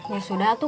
ya sudah tuh